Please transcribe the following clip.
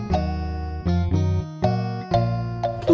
atas kelelayan kami